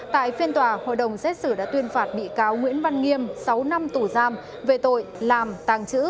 tại phiên tòa hội đồng xét xử đã tuyên phạt bị cáo nguyễn văn nghiêm sáu năm tù giam về tội làm tàng trữ